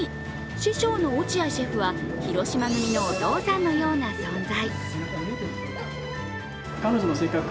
師匠の落合シェフは広島組のお父さんのような存在。